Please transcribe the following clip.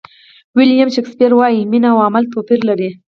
ویلیام شکسپیر وایي مینه او عمل توپیر لري.